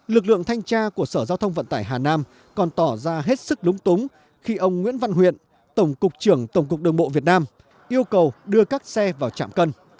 lực lượng thanh tra của sở giao thông vận tải hà nam còn tỏ ra hết sức lúng túng khi ông nguyễn văn huyện tổng cục trưởng tổng cục đường bộ việt nam yêu cầu đưa các xe vào trạm cân